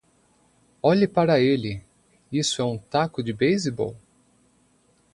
Olhe para ele! Isso é um taco de beisebol?